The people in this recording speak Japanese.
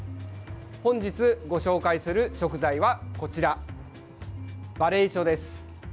本日ご紹介する食材はこちらばれいしょです。